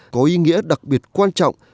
có ý nghĩa đặc biệt quan trọng